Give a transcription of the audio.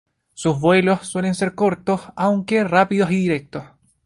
Su vuelos suelen ser cortos, aunque rápidos y directos.